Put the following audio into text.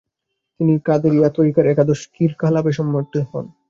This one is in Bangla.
তিনি কাদেরিয়া তরিকার একাদশ ‘খিরকাহ’ লাভে সম্মানিত হন।